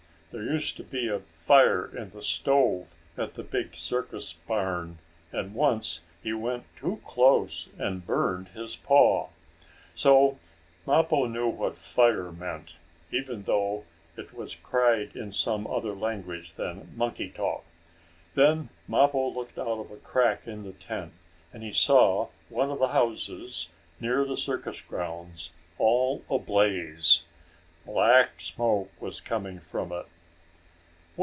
There used to be a fire in the stove at the big circus barn, and once he went too close and burned his paw. So Mappo knew what fire meant, even though it was cried in some other language than monkey talk. Then Mappo looked out of a crack in the tent, and he saw one of the houses, near the circus grounds, all ablaze. Black smoke was coming from it.